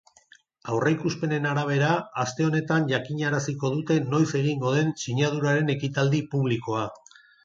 Aurreikuspenen arabera, aste honetan jakinaraziko dute noiz egingo den sinaduraren ekitaldi publikoa.